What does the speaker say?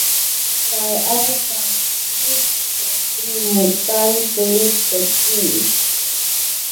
cayay kalalid kaku mukan tu heci